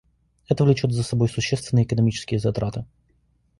Это влечет за собой существенные экономические затраты